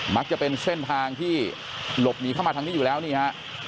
มักจะเป็นเส้นทางที่หลบหนีเข้ามาทางนี้อยู่แล้วนี่ฮะ